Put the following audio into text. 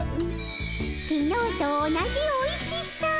きのうと同じおいしさ。